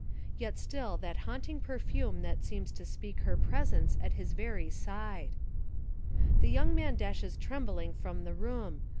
Yet still that haunting perfume that seems to speak her presence at his very side. The young man dashes trembling from the room.